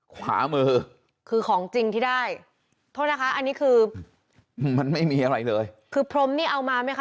ขวามือคือของจริงที่ได้โทษนะคะอันนี้คือมันไม่มีอะไรเลยคือพรมนี่เอามาไหมคะ